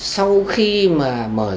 sau khi mà mở ra